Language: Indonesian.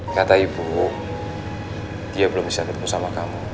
kata ibu dia belum bisa ketemu sama kamu